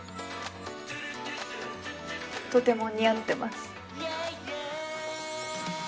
とても似合ってます。